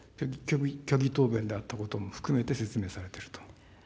虚偽答弁であったことも含めて説明されていると。